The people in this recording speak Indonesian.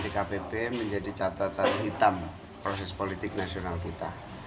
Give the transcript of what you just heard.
dkpp menjadi catatan hitam proses politik nasional kita